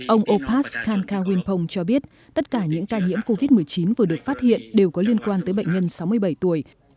ông opas khankawinpong cho biết tất cả những ca nhiễm covid một mươi chín vừa được phát hiện đều có liên quan tới bệnh nhân sáu mươi bảy tuổi